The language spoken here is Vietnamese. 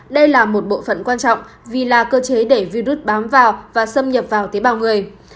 đây là một bộ phận quan trọng vì là cơ chế để virus bám vào và xâm nhập vào tế bào người